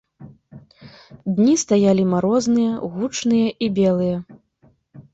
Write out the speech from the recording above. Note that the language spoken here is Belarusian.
Дні стаялі марозныя, гучныя і белыя.